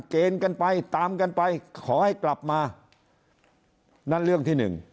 เกณฑ์กันไปตามกันไปขอให้กลับมานั่นเรื่องที่หนึ่ง